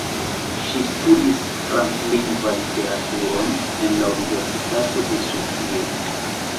Ŝi studis Franclingva literaturon en la Universitato de Sofio.